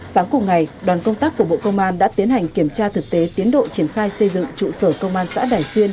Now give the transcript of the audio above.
sáng cùng ngày đoàn công tác của bộ công an đã tiến hành kiểm tra thực tế tiến độ triển khai xây dựng trụ sở công an xã đà xuyên